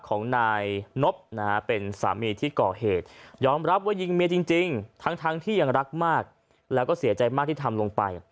ของนายนบนะฮะเป็นสามีที่ก่อเหตุยอมรับว่ายิงเมียจริงทั้งที่ยังรักมากแล้วก็เสียใจมากที่ทำลงไป